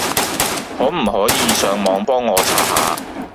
可唔可以上網幫我查下？